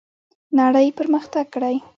نړۍ پرمختګ کړی.